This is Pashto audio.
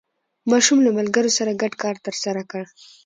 ماشوم له ملګرو سره ګډ کار ترسره کړ